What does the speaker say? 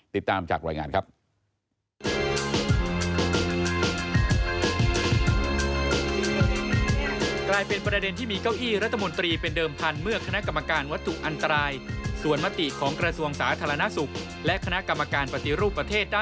ติดตามจากรายงานครับ